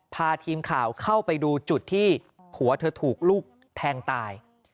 พาทีมข่าวเข้าไปดูจุดที่ผัวเธอถูกลูกแทงตาย